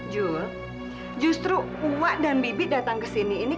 juli justru wak dan bibi datang ke sini ini